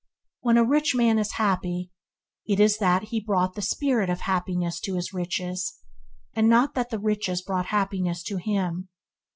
When a rich man is happy, it is that he brought the spirit of happiness to his riches, and not that the riches brought happiness to him.